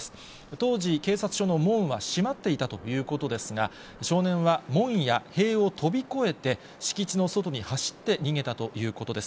当時、警察署の門は閉まっていたということですが、少年は門や塀を飛び越えて、敷地の外に走って逃げたということです。